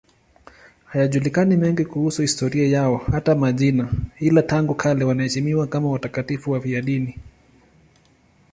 Hayajulikani mengine kuhusu historia yao, hata majina, ila tangu kale wanaheshimiwa kama watakatifu wafiadini.